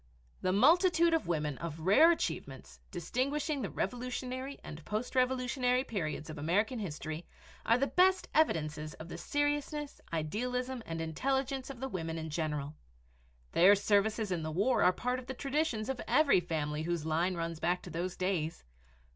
The multitude of women of rare achievements, distinguishing the Revolutionary and post Revolutionary periods of American history are the best evidences of the seriousness, idealism, and intelligence of the women in general. Their services in the war are part of the traditions of every family whose line runs back to those days.